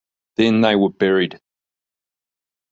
Then they were buried.